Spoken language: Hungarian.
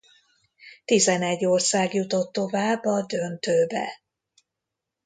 Tizenegy ország jutott tovább a döntőbe.